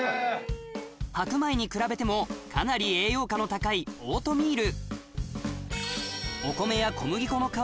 白米に比べてもかなり栄養価の高いオートミール